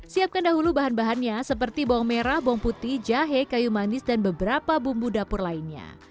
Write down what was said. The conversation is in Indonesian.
siapkan dahulu bahan bahannya seperti bawang merah bawang putih jahe kayu manis dan beberapa bumbu dapur lainnya